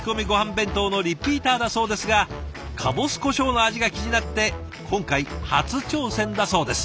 弁当のリピーターだそうですがかぼす胡椒の味が気になって今回初挑戦だそうです。